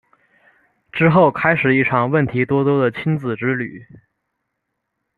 之后开始一场问题多多的亲子之旅。